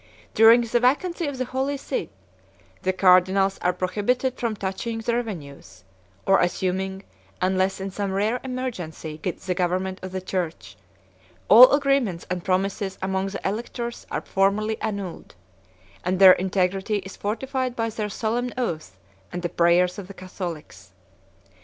During the vacancy of the holy see, the cardinals are prohibited from touching the revenues, or assuming, unless in some rare emergency, the government of the church: all agreements and promises among the electors are formally annulled; and their integrity is fortified by their solemn oath and the prayers of the Catholics.